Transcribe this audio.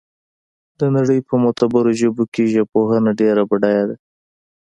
د نړۍ په معتبرو ژبو کې ژبپوهنه ډېره بډایه ده